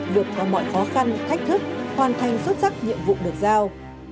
vượt qua mọi khó khăn thách thức hoàn thành xuất sắc nhiệm vụ được giao